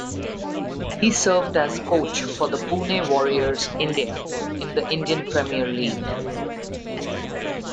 He served as coach for the Pune Warriors India in the Indian Premier League.